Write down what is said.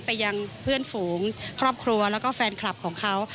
ไปยังเพื่อนฝูงครอบครัวแล้วก็แฟนคลับของเขา